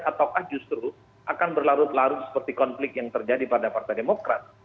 ataukah justru akan berlarut larut seperti konflik yang terjadi pada partai demokrat